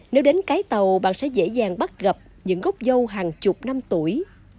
nếu đến cái tàu bạn sẽ dễ dàng bắt gặp những gốc dâu hàng chục năm tuổi